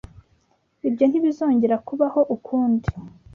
Ibyo ntibizongera kubaho ukundi?